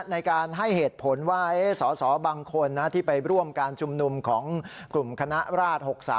ในการให้เหตุผลว่าสอสอบางคนที่ไปร่วมการชุมนุมของกลุ่มคณะราช๖๓